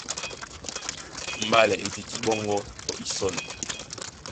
Mbálɛ e tití ɓɔ́ŋgɔ́ tɔ isɔ̂n.